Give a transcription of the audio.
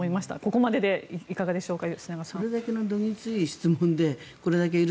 ここまででいかがでしょうか。